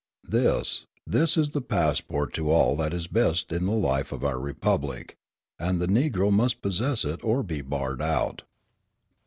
This, this is the passport to all that is best in the life of our Republic; and the Negro must possess it or be barred out.